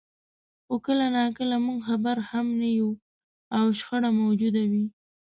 خو کله ناکله موږ خبر هم نه یو او شخړه موجوده وي.